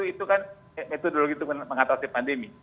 itu kan metode mengatasi pandemi